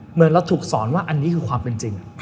เหมือนเราถูกสอนว่าอันนี้คือความเป็นจริง